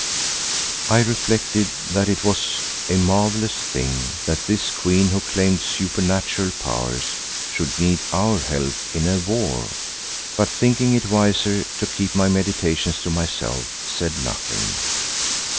I reflected that it was a marvellous thing that this queen who claimed supernatural powers should need our help in a war, but thinking it wiser to keep my meditations to myself, said nothing.